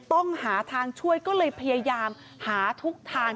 ต้องหาทางช่วยก็เลยพยายามหาทุกทาง